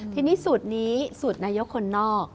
ทีนี้สูตรนี้สูตรนายกคนนอก